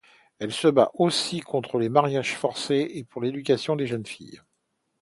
Elle se bat aussi contre les mariages forcés et pour l'éducation des jeunes filles.